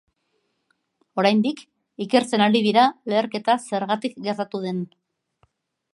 Oraindik ikertzen ari dira leherketa zergatik gertatu den.